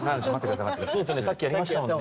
さっきやりましたもんね。